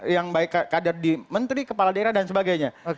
yang baik kader di menteri kepala daerah dan sebagainya